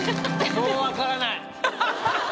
もうわからない。